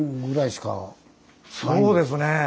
そうですね！